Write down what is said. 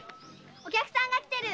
お客さんが来てる！